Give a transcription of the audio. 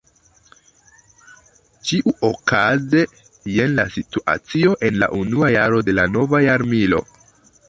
Ĉiuokaze jen la situacio en la unua jaro de la nova jarmilo.